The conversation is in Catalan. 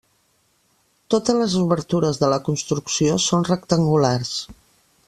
Totes les obertures de la construcció són rectangulars.